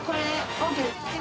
ＯＫ。